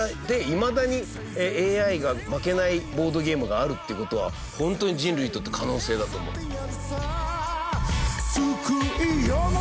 でいまだにＡＩが負けないボードゲームがあるっていう事は本当に人類にとって可能性だと思う。